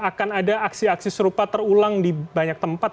akan ada aksi aksi serupa terulang di banyak tempat